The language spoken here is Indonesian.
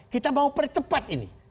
kita mau percepat ini